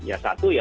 ya satu ya